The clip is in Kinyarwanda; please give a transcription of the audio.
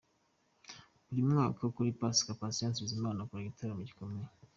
Buri mwaka kuri Pasika Patient Bizimana akora igitaramo gikomeye.